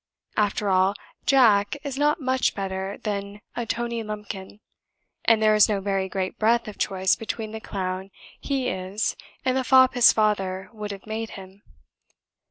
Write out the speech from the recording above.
After all, 'Jack' is not much better than a 'Tony Lumpkin,' and there is no very great breadth of choice between the clown he IS and the fop his father would have made him.